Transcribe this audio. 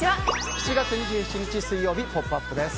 ７月２７日、水曜日「ポップＵＰ！」です。